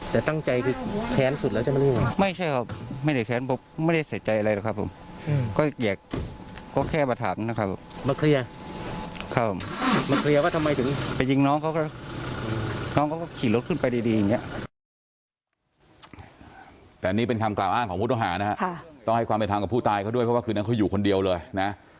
ต้องให้ความเป็นความกับผู้ตายเขาด้วยเพราะว่าคืนนั้นเขาอยู่คนเดียวเลยนะ